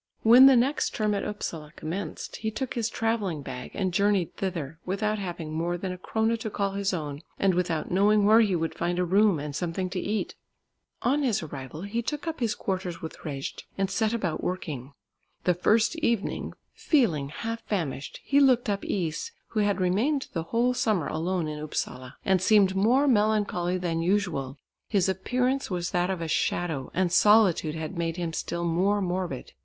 When the next term at Upsala commenced, he took his travelling bag and journeyed thither, without having more than a krona to call his own, and without knowing where he would find a room and something to eat. On his arrival he took up his quarters with Rejd, and set about working. The first evening, feeling half famished, he looked up Is, who had remained the whole summer alone in Upsala and seemed more melancholy than usual. His appearance was that of a shadow, and solitude had made him still more morbid.